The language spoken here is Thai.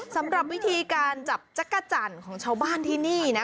สำหรับวิธีการจับจักรจันทร์ของชาวบ้านที่นี่